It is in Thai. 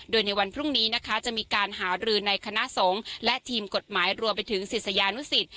โดยในวันพรุ่งนี้นะคะจะมีการหารือในคณะสงฆ์และทีมกฎหมายรวมไปถึงศิษยานุสิต